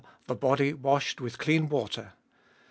The Body washed with Clean Water.